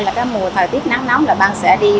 là mùa thời tiết nắng nóng là ban sẽ đi